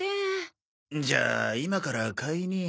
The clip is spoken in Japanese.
じゃあ今から買いに。